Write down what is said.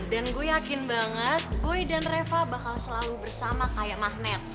dan gue yakin banget boy dan reva bakal selalu bersama kayak magnet